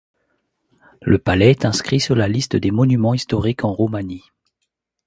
Le palais est inscrit sur la liste des monuments historiques en Roumanie.